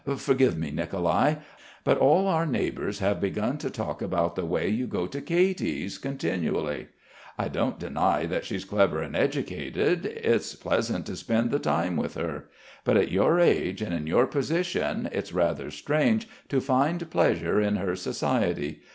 Forgive me, Nicolai, but all our neighbours have begun to talk about the way you go to Katy's continually. I don't deny that she's clever and educated. It's pleasant to spend the time with her. But at your age and in your position it's rather strange to find pleasure in her society....